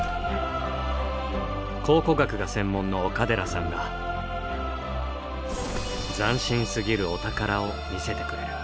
考古学が専門の岡寺さんが斬新すぎるお宝を見せてくれる。